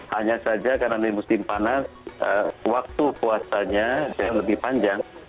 hanya saja karena di musim panas waktu puasanya jauh lebih panjang